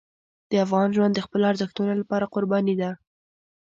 د افغان ژوند د خپلو ارزښتونو لپاره قرباني ده.